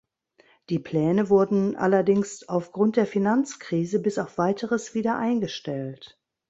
Die Pläne wurden allerdings aufgrund der Finanzkrise bis auf Weiteres wieder eingestellt.